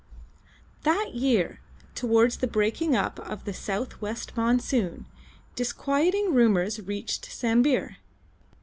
That year, towards the breaking up of the south west monsoon, disquieting rumours reached Sambir.